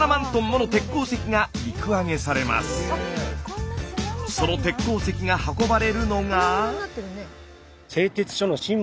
その鉄鉱石が運ばれるのが。